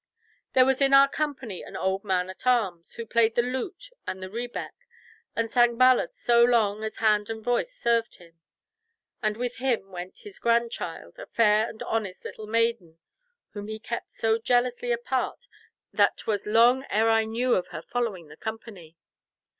"There was in our company an old man at arms who played the lute and the rebeck, and sang ballads so long as hand and voice served him, and with him went his grandchild, a fair and honest little maiden, whom he kept so jealously apart that 'twas long ere I knew of her following the company.